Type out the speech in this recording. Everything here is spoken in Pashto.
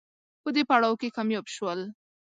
په دې پړاو کې کامیاب شول